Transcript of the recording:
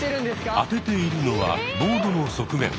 当てているのはボードの側面。